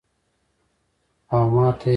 او ماته ئې وې ـ "